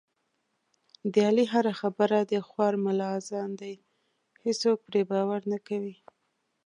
د علي هره خبره د خوار ملا اذان دی، هېڅوک پرې باور نه کوي.